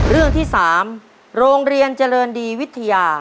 เรื่องที่๓โรงเรียนเจริญดีวิทยา